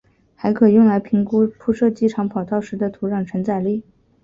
还可用来评估铺设机场跑道时的土壤承载力。